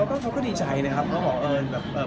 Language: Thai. เขาก็ดีใจครับเขาบอกผมภูมิใจแล้ว